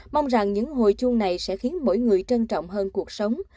mong rằng những hồi chuông này sẽ khiến mỗi người trân trọng hơn cuộc sống